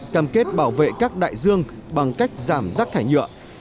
cam kết bảo vệ các đại dương bằng cách giảm rác thải nhựa